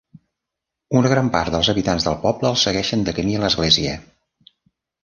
Una gran part dels habitants del poble el segueixen de camí a l'església.